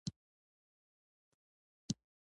دوی د خپلو کمپیوټرونو مخې ته ناست وو